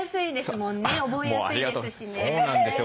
そうなんですよ。